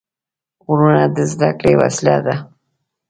غوږونه د زده کړې وسیله ده